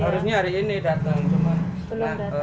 harusnya hari ini datang cuman